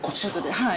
はい。